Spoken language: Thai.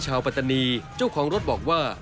ปัตตานีเจ้าของรถบอกว่า